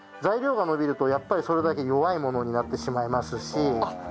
材料が伸びるとやっぱりそれだけ弱いものになってしまいますし。